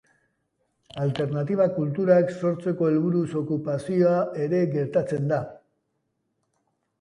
Euren auzo edo hirietan alternatiba kulturak sortzeko helburuz okupazioa ere gertatzen da.